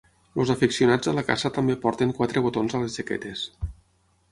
Els afeccionats a la caça també porten quatre botons a les jaquetes.